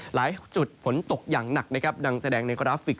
หลายจุดฝนตกอย่างหนักนะครับดังแสดงในกราฟิก